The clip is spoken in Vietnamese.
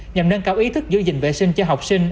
nhằm nâng cao ý thức giữ gìn vệ sinh cho học sinh